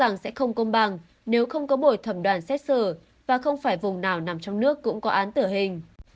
rằng sẽ không công bằng nếu không có buổi thẩm đoàn xét xử và không phải vùng nào nằm trong nước cũng có án tử hình